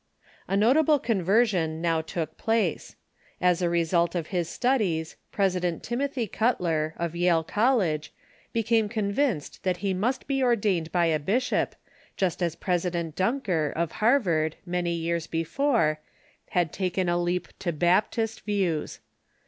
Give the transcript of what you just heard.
A notable conversion now took place. As a result of his studies. President Timothy Cutler, of Yale College, became convinced that he must be ordained by a bishop, of Cutler and j'^st as President Duncker, of Harvard, many years Johnson before, had taken a leap to Baptist views.